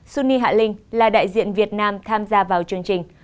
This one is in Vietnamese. suni hạ linh là đại diện việt nam tham gia vào chương trình